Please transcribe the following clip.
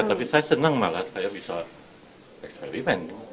tapi saya senang malah saya bisa eksperimen